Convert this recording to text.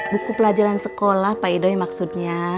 buku pelajaran sekolah pak idoy maksudnya